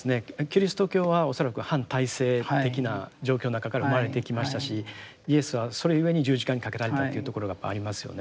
キリスト教は恐らく反体制的な状況の中から生まれてきましたしイエスはそれゆえに十字架にかけられたというところがやっぱりありますよね。